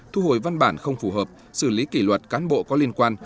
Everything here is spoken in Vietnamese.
thu hồi văn bản không phù hợp xử lý kỷ luật cán bộ có liên quan